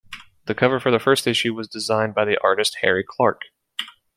The cover for the first issue was designed by the artist Harry Clarke.